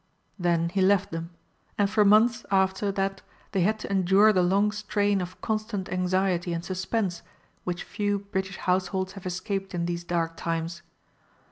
Then he left them, and for months after that they had to endure the long strain of constant anxiety and suspense which few British households have escaped in these dark times.